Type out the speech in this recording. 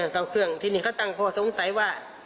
เข้าเครื่องที่นี่เขาตั้งข้อสงสัยว่า